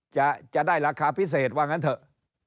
จะได้ราคาพิเศษว่างั้นเถอะ